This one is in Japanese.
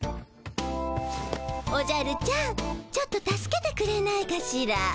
おじゃるちゃんちょっと助けてくれないかしら。